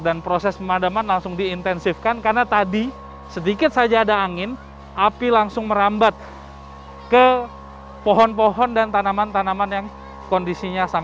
dan proses pemadaman langsung diintensifkan karena tadi sedikit saja ada angin api langsung merambat ke pohon pohon dan tanaman tanaman yang kondisinya kering